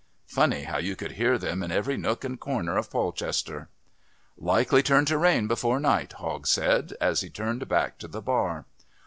Funny how you could hear them in every nook and corner of Polchester. "Likely turn to rain before night," Hogg said, as he turned back to the bar.